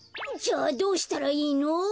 じゃあどうしたらいいの？